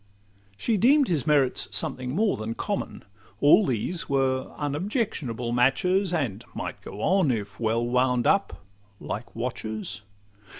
She deem'd his merits something more than common: All these were unobjectionable matches, And might go on, if well wound up, like watches.